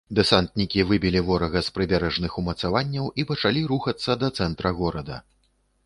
Дэсантнікі выбілі ворага з прыбярэжных умацаванняў і пачалі рухацца да цэнтра горада.